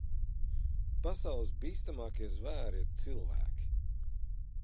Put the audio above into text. Pasaules bīstamākie zvēri ir cilvēki.